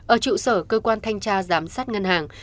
ở trụ sở cơ quan thanh tra giám sát ngân hàng